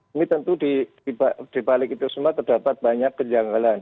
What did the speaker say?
ini tentu dibalik itu semua terdapat banyak kejanggalan